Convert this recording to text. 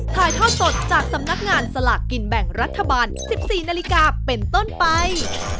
ถ่ายทอดสดจากสำนักงานสลากกินแบ่งรัฐบาล๑๔นาฬิกาเป็นต้นไป